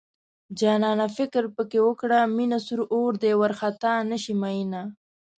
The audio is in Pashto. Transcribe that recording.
جانانه فکر پکې وکړه مينه سور اور دی وارخطا نشې مينه